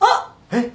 えっ！？